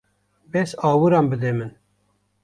Bes awiran bide min.